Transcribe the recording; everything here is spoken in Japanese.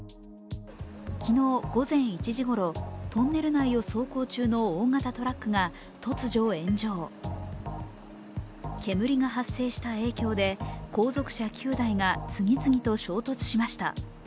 昨日午前１時ごろ、トンネル内を走行中の大型トラックが突如炎上、煙が発生した影響で後続車９台が次々と衝突しました。